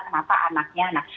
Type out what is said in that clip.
kenapa anaknya anak